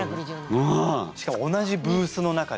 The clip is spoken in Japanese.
しかも同じブースの中で。